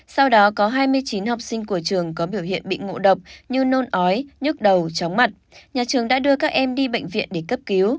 sau đó có hai mươi chín học sinh của trường có biểu hiện bị ngộ độc như nôn ói nhức đầu chóng mặt nhà trường đã đưa các em đi bệnh viện để cấp cứu